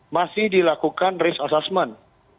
masih dilakukan risk assessment